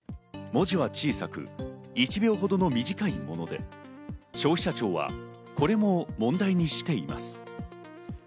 文字は小さく１秒ほどの短いもので、消費者庁はこれも問題にしています。